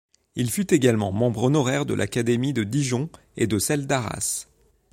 Il fut également membre honoraire de l'Académie de Dijon et de celle d'Arras.